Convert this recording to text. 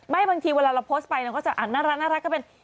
ไม่บางทีเวลาเราโพสต์ไปน่ารักก็เป็น